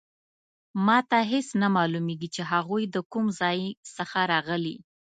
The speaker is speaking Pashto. ما ته هیڅ نه معلومیږي چې هغوی د کوم ځای څخه راغلي